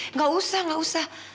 eh gak usah